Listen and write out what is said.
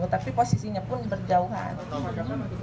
tapi posisinya pun berjauhan